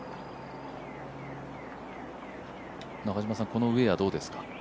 このウエア、どうですか。